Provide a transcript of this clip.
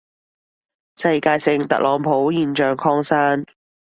世界性特朗普現象擴散